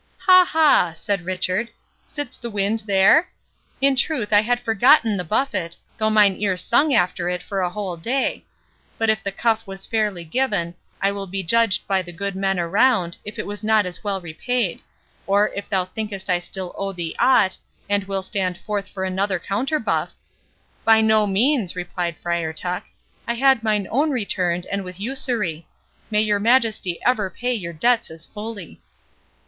"Ha! ha!" said Richard, "sits the wind there?—In truth I had forgotten the buffet, though mine ear sung after it for a whole day. But if the cuff was fairly given, I will be judged by the good men around, if it was not as well repaid—or, if thou thinkest I still owe thee aught, and will stand forth for another counterbuff—" "By no means," replied Friar Tuck, "I had mine own returned, and with usury—may your Majesty ever pay your debts as fully!"